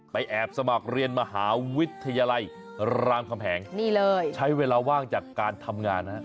ไปแอบสมัครเรียนมหาวิทยาลัยรามแคมแฮงใช้เวลาว่างจากการทำงาน